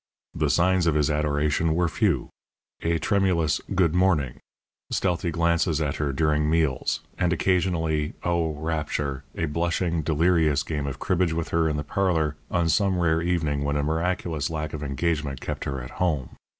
The signs of his adoration were few a tremulous "Good morning," stealthy glances at her during meals, and occasionally (Oh, rapture!) a blushing, delirious game of cribbage with her in the parlour on some rare evening when a miraculous lack of engagement kept her at home.